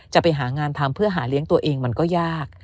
ไปหางานทำเพื่อหาเลี้ยงตัวเองมันก็ยาก